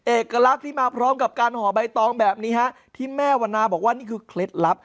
เอกลักษณ์ที่มาพร้อมกับการห่อใบตองแบบนี้ฮะที่แม่วันนาบอกว่านี่คือเคล็ดลับ